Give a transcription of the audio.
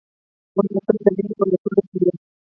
موږ به تل د نوي په لټولو کې یو.